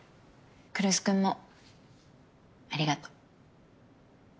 来栖君もありがとう。